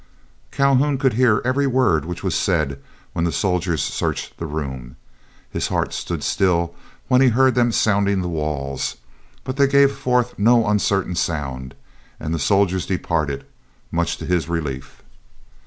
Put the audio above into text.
Calhoun could hear every word which was said when the soldiers searched the room. His heart stood still when he heard them sounding the walls, but they gave forth no uncertain sound, and the soldiers departed, much to his relief.